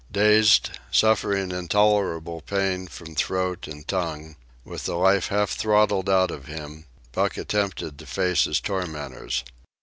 Dazed, suffering intolerable pain from throat and tongue, with the life half throttled out of him, Buck attempted to face his tormentors.